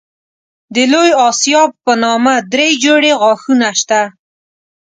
د لوی آسیاب په نامه دری جوړې غاښونه شته.